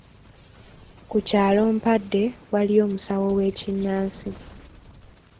Ku kyalo Mpadde, waliyo omusawo w’ekinnansi.